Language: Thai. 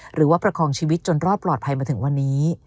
ประคองชีวิตจนรอดปลอดภัยมาถึงวันนี้